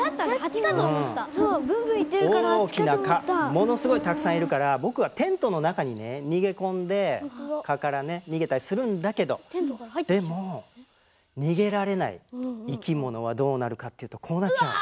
ものすごいたくさんいるから僕はテントの中にね逃げ込んで蚊からね逃げたりするんだけどでも逃げられない生き物はどうなるかっていうとこうなっちゃうの。